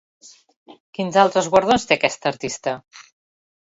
Quins altres guardons té aquesta artista?